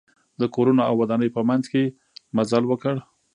د کورونو او ودانیو په منځ کې مزل وکړ.